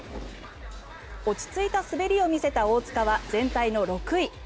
落ち着いた滑りを見せた大塚は全体の６位。